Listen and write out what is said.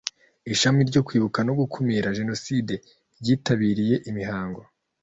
ishami ryo kwibuka no gukumira jenoside ryitabiriye imihango